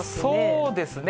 そうですね。